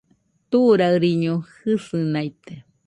Turaɨriño jɨsɨnaite